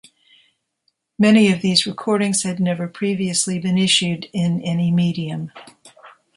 Many of these recordings had never previously been issued in any medium.